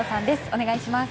お願いします。